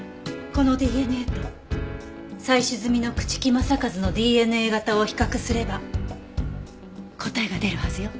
このＤＮＡと採取済みの朽木政一のＤＮＡ型を比較すれば答えが出るはずよ。